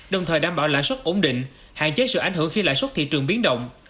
đồng thời đảm bảo lãi suất ổn định hạn chế sự ảnh hưởng khi lãi suất thị trường biến động